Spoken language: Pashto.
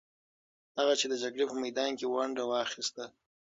هغې د جګړې په میدان کې ونډه واخیسته.